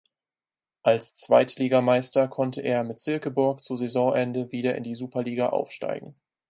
Als Zweitligameister konnte er mit Silkeborg zu Saisonende wieder in die Superliga aufsteigen.